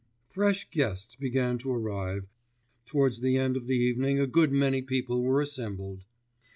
Fresh guests began to arrive; towards the end of the evening a good many people were assembled.